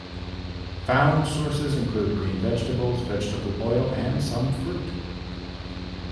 Found sources include green vegetables, vegetable oil, and some fruit.